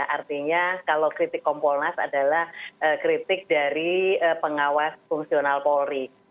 artinya kalau kritik kompolnas adalah kritik dari pengawas fungsional polri